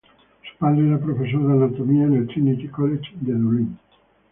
Su padre era profesor de anatomía en el Trinity College de Dublín.